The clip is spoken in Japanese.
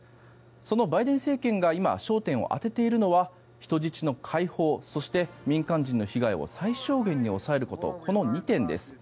そのバイデン政権が今焦点を当てているのが人質の解放そして、民間人の被害を最小限に抑えることこの２点です。